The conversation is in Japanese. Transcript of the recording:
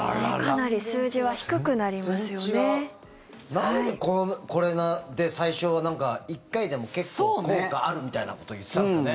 なんでこれで最初、１回でも結構効果あるみたいなこと言っていたんですかね。